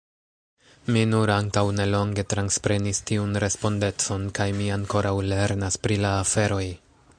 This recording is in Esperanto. Mi nur antaŭ nelonge transprenis tiun respondecon kaj mi ankoraŭ lernas pri la aferoj.